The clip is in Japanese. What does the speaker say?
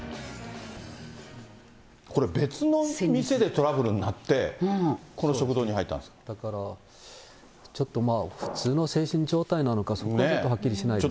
これ、別の店でトラブルになって、だから、ちょっとまあ、普通の精神状態なのか、そこはちょっとはっきりしないですね。